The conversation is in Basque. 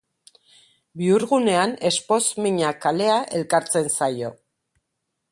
Bihurgunean Espoz Mina kalea elkartzen zaio.